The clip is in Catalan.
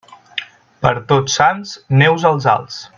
Per Tots Sants, neus als alts.